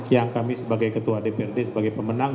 yang kami sebagai ketua dprd sebagai pemenang